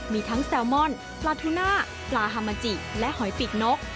มีทั้งแซลมอนปลาทูน่าปลาฮามาจิและหอยปีกนก